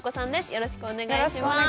よろしくお願いします。